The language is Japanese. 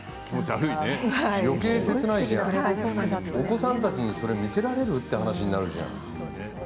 よけい切ない、じゃあお子さんたちにそれ見せられる？ということになるじゃん。